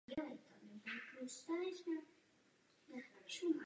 V základních skupinách je šest týmů.